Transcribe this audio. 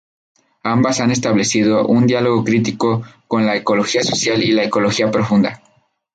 Ambas han establecido un diálogo crítico con la ecología social y la ecología profunda.